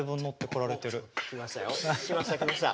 きました、きました。